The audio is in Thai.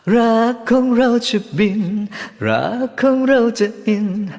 รักของเราจะบินรักของเราจะอิน